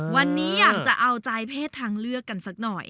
วันนี้อยากจะเอาใจเพศทางเลือกกันสักหน่อย